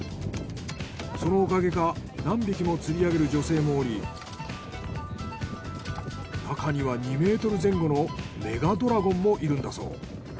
そのおかげか何匹も釣り上げる女性もおりなかには２ｍ前後のメガドラゴンもいるんだそう。